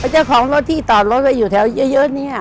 เจ้าของรถที่ต่อรถไปอยู่แถวเยอะนี่